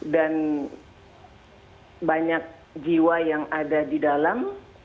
dan banyak jiwa yang ada di dalam